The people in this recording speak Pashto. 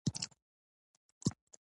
که يې رابيدارې نه کړو همداسې ويدې پاتې وي.